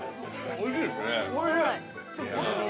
◆おいしい。